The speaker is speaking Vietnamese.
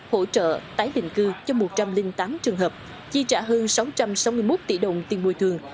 hỗ trợ tái định cư cho một trăm linh tám trường hợp chi trả hơn sáu trăm sáu mươi một tỷ đồng tiền bồi thường